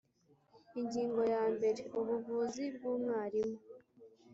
Ingingo yambere Ubuvuzi bw umwarimu